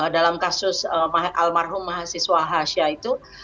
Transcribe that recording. dalam kasus almarhum mahasiswa hasya itu